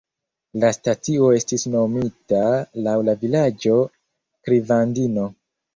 La stacio estis nomita laŭ la vilaĝo Krivandino.